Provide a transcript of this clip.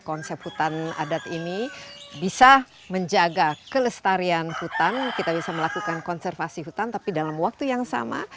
konsep hutan adat ini bisa menjaga kelestarian hutan kita bisa melakukan konservasi hutan tapi dalam waktu yang sama